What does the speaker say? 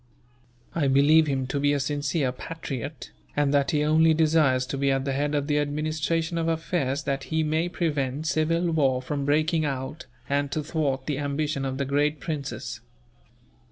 I believe him to be a sincere patriot, and that he only desires to be at the head of the administration of affairs that he may prevent civil war from breaking out, and to thwart the ambition of the great princes.